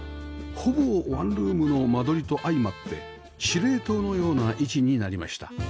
ほぼワンルームの間取りと相まって司令塔のような位置になりました